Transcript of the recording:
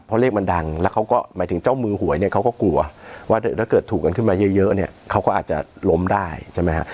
เพราะเลขมันดังแล้วเขาก็หมายถึงเจ้ามือหวยเนี่ยเขาก็กลัวว่าถ้าเกิดถูกกันขึ้นมาเยอะเนี่ยเขาก็อาจจะล้มได้ใช่ไหมฮะ